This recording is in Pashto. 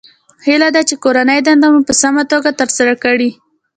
هیله ده چې کورنۍ دنده مو په سمه توګه ترسره کړئ